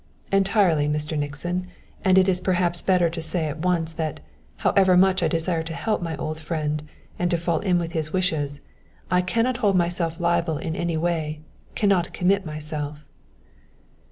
"Entirely, Mr. Nixon, and it is perhaps better to say at once that, however much I desire to help my old friend and to fall in with his wishes, I cannot hold myself liable in any way cannot commit myself."